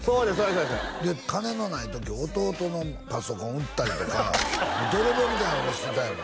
そうですで金のない時弟のパソコン売ったりとか泥棒みたいなことしてたんやろ？